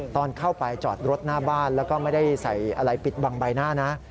ตอนเข้าไปจอดรถหน้าบ้านแล้วก็ไม่ได้ใส่อะไรปิดบังใบหน้านะ